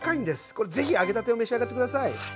これぜひ揚げたてを召し上がって下さい。